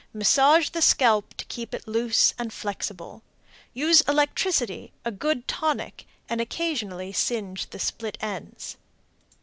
Massage the scalp to keep it loose and flexible. Use electricity, a good tonic, and occasionally singe the split ends.